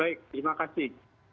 baik terima kasih